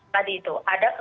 tadi itu ada